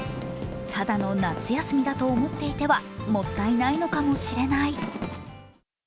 ただの夏休みだと思っていてはもったいないのかもしれない。